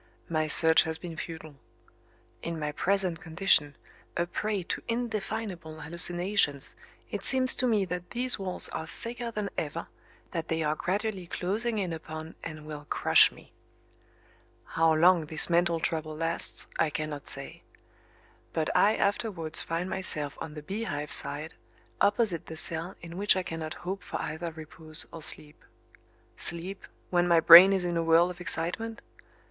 My search has been futile. In my present condition, a prey to indefinable hallucinations it seems to me that these walls are thicker than ever, that they are gradually closing in upon and will crush me. How long this mental trouble lasts I cannot say. But I afterwards find myself on the Beehive side, opposite the cell in which I cannot hope for either repose or sleep. Sleep, when my brain is in a whirl of excitement?